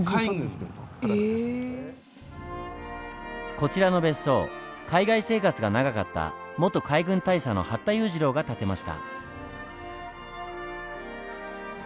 こちらの別荘海外生活が長かった元海軍大佐の八田裕二郎が建てました。